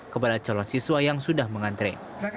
kepada calon siswa yang sudah mengantre